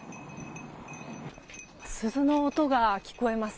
鈴の音が聞こえます。